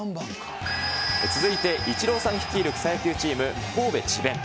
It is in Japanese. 続いて、イチローさん率いる草野球チーム、コーベ・チベン。